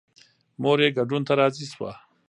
مور یې ګډون ته راضي شوه.